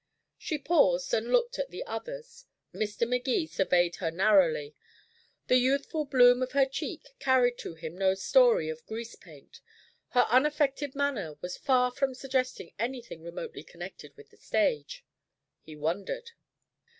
She paused and looked at the others. Mr. Magee surveyed her narrowly. The youthful bloom of her cheek carried to him no story of grease paint; her unaffected manner was far from suggesting anything remotely connected with the stage. He wondered.